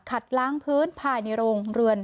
ล้างพื้นภายในโรงเรือน